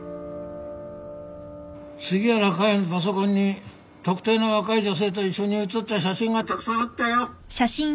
杉原佳代のパソコンに特定の若い女性と一緒に写った写真がたくさんあったよ。